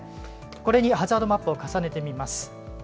これにハザードマップを重ねてみます。